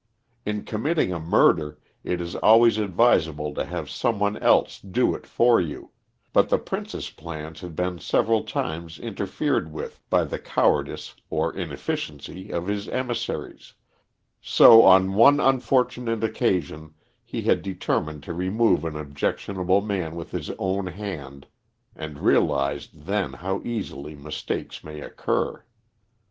In committing a murder it is always advisable to have some one else to do it for you, but the Prince's plans had been several times interfered with by the cowardice or inefficiency of his emissaries, so on one unfortunate occasion he had determined to remove an objectionable man with his own hand, and realised then how easily mistakes may occur.